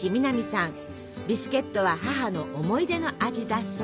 ビスケットは母の思い出の味だそう。